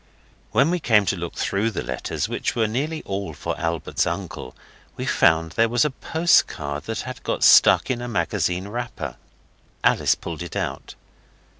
When we came to look through the letters, which were nearly all for Albert's uncle, we found there was a postcard that had got stuck in a magazine wrapper. Alice pulled it out.